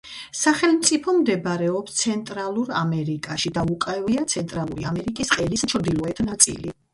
სახელმწიფო მდებარეობს ცენტრალურ ამერიკაში და უკავია ცენტრალური ამერიკის ყელის ჩრდილოეთ ნაწილი.